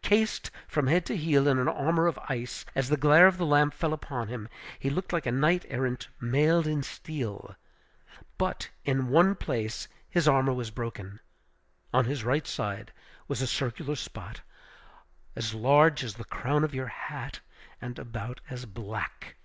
Cased from head to heel in an armor of ice, as the glare of the lamp fell upon him, he looked like a knight errant mailed in steel. But in one place his armor was broken. On his right side was a circular spot, as large as the crown of your hat, and about as black!